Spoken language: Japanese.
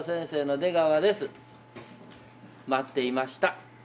待っていました。